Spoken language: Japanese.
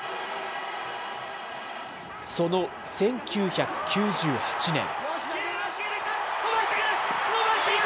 その１９９８年。